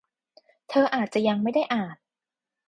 เธออาจจะยังไม่ได้อ่าน